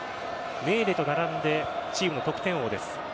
メーレと並んでチームの得点王です。